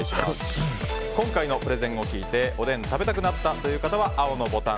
今回のプレゼントを聞いておでんを食べたくなったという方は青のボタン。